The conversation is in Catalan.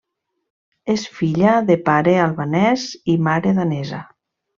És filla de pare albanès i mare danesa.